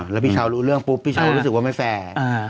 แล้วพี่เช้ารู้เรื่องปุ๊บพี่เช้ารู้สึกว่าไม่แฟร์